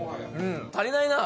足りないな！